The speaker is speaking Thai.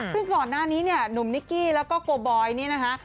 ซึ่งก่อนหน้านี้เนี่ยหนุ่มนิกกี้แล้วก็โกบอยนี่นะคะ